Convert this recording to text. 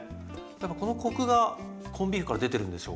やっぱこのコクがコンビーフから出てるんでしょうか？